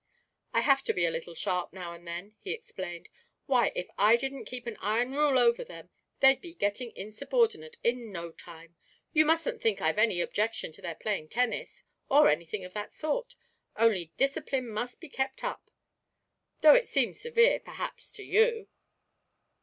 'I have to be a little sharp now and then,' he explained. 'Why, if I didn't keep an iron rule over them, they'd be getting insubordinate in no time. You mustn't think I've any objection to their playing tennis, or anything of that sort; only discipline must be kept up; though it seems severe, perhaps, to you.'